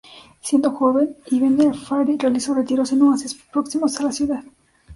Siendo joven, Ibn al-Farid realizó retiros en oasis próximos a la ciudad.